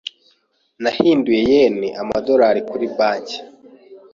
Nahinduye yen amadolari kuri banki.